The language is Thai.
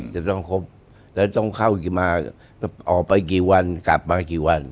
จะต้องครบแล้วต้องเข้ามาออกไปกี่วันกลับมากี่วัน